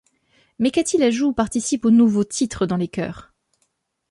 Mais Cathy Lajous participe au nouveau titre dans les chœurs.